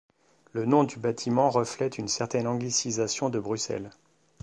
Le nom du bâtiment reflète une certaine anglicisation de Bruxelles.